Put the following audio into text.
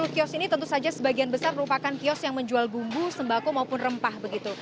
dua puluh kios ini tentu saja sebagian besar merupakan kios yang menjual bumbu sembako maupun rempah begitu